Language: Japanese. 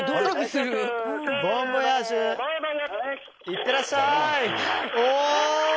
いってらっしゃい！